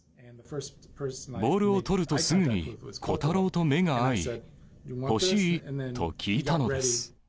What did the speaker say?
ボールを捕るとすぐに、虎太郎と目が合い、欲しい？と聞いたのです。